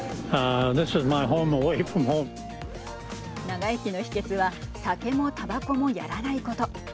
長生きの秘けつは酒もたばこもやらないこと。